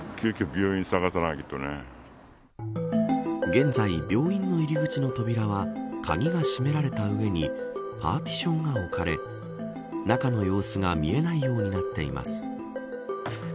現在、病院の入り口の扉は鍵が閉められたうえにパーティションが置かれ中の様子が見えないようになっています。